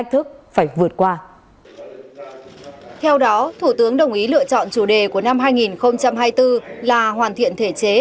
theo đó thủ tướng đồng ý lựa chọn chủ đề của năm hai nghìn hai mươi bốn là hoàn thiện thể chế